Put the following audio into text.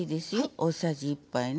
大さじ１杯ね。